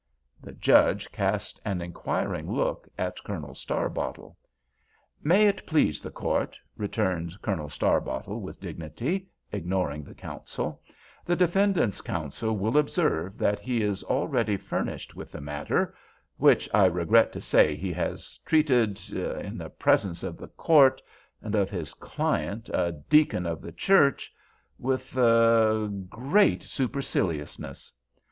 The Judge cast an inquiring look at Colonel Starbottle. "May it please the Court," returned Colonel Starbottle with dignity, ignoring the counsel, "the defendant's counsel will observe that he is already furnished with the matter—which I regret to say he has treated—in the presence of the Court—and of his client, a deacon of the church—with—er— great superciliousness.